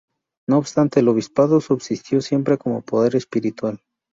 No obstante, el obispado subsistió siempre como poder espiritual.